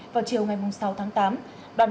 vào chiều ngày sáu tháng tám